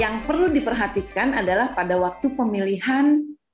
yang perlu diperhatikan adalah pada waktu pemilihan